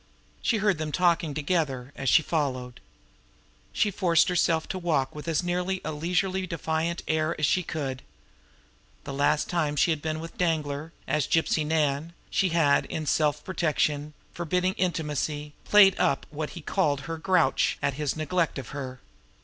She heard them talking together, as she followed. She forced herself to walk with as nearly a leisurely defiant air as she could. The last time she had been with Danglar as Gypsy Nan she had, in self protection, forbidding intimacy, played up what he called her "grouch" at his neglect of her.